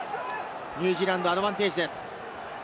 ニュージーランド、アドバンテージです。